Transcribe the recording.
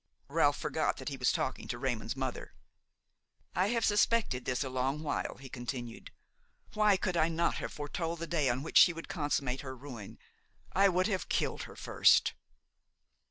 Ralph forgot that he was talking to Raymon's mother. "I have suspected this a long while," he continued; "why could I not have foretold the day on which she would consummate her ruin! I would have killed her first!"